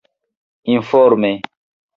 informe